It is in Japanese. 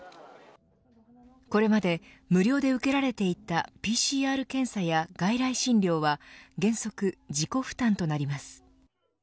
これまで無料で受けられていたＰＣＲ検査や外来診療は原則、自己負担となります。